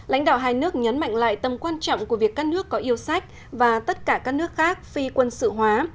lãnh đạo hai nước nhấn mạnh lại tầm quan trọng của việc các nước có yêu sách và tất cả các nước khác phi quân sự hóa